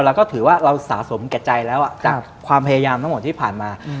เราก็ถือว่าเราสะสมแก่ใจแล้วจากความพยายามทั้งหมดที่ผ่านมา